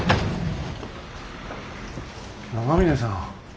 長嶺さん。